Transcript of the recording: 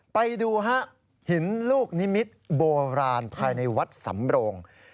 ไปดูฮะหินลูกนิมิตรโบราณภายในวัดสำโรง